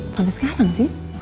sampai sekarang sih